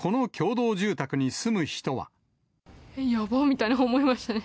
え、やばっみたいに思いましたね。